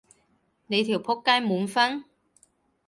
你條僕街滿分？